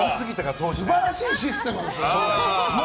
素晴らしいシステムですね。